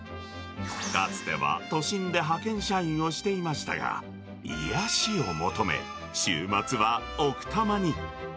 かつては都心で派遣社員をしていましたが、癒やしを求め、週末は奥多摩に。